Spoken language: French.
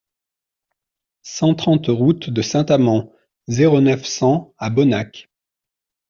cent trente route de Saint-Amans, zéro neuf, cent à Bonnac